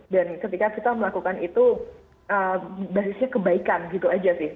dan ketika kita melakukan itu basisnya kebaikan gitu saja sih